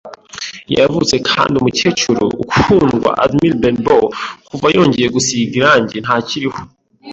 yavutse, kandi umukecuru ukundwa Admiral Benbow - kuva yongeye gusiga irangi, ntakiriho